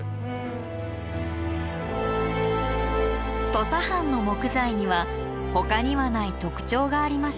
土佐藩の木材にはほかにはない特徴がありました。